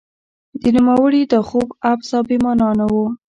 د نوموړي دا خوب عبث او بې مانا نه و.